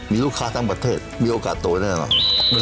มีลูกค้าทั้งประเทศมีโอกาสโตได้หรือเปล่า